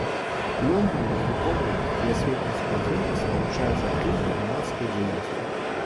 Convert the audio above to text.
Плённую навуковую і асветніцкую дзейнасць спалучае з актыўнай грамадскай дзейнасцю.